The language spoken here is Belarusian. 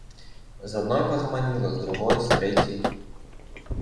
З адной пагаманіла, з другой, з трэцяй.